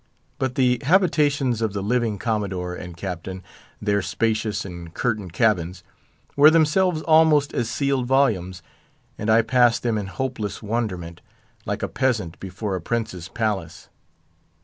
But the habitations of the living commodore and captain—their spacious and curtained cabins—were themselves almost as sealed volumes, and I passed them in hopeless wonderment, like a peasant before a prince's palace.